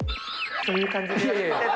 そういう感じで。